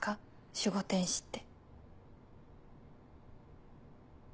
守護天使って。